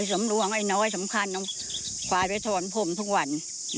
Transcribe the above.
ไอ้สำรวงไอ้น้อยสำคัญขวายไปทวนพรมทุกวัน